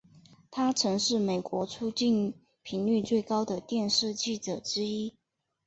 他曾是美国出境频率最高的电视记者之一。